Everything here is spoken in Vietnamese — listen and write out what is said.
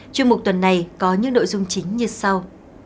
chuyên mục tuần này có những nội dung chính như sau